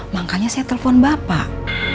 makanya saya telpon bapak